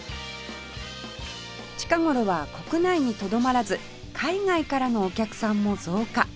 近頃は国内にとどまらず海外からのお客さんも増加